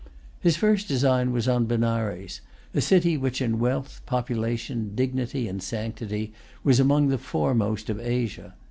His first design was on Benares, a city which in wealth, population, dignity, and sanctity, was among the foremost of Asia.